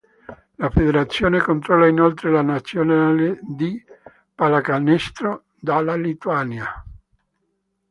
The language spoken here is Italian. La federazione controlla inoltre la nazionale di pallacanestro della Lituania.